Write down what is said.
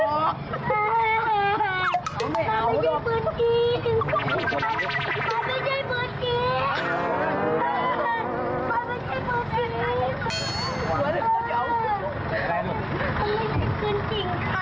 นุ๊กมันไม่ใช่เปิดกี